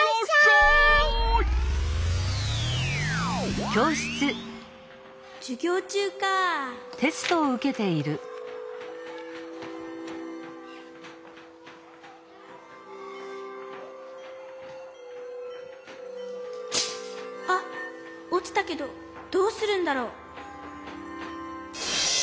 こころのこえあっおちたけどどうするんだろう？